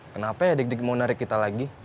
kenapa ya dik dik mau narik kita lagi